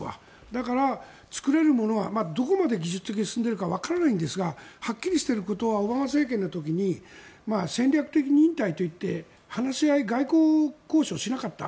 だから、作れるものはどこまで技術的に進んでいるかわからないですがはっきりしていることはオバマ政権の時に戦略的忍耐といって話し合い、外交交渉しなかった。